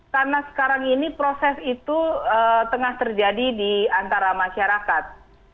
karena sekarang ini proses itu tengah terjadi di antara masyarakat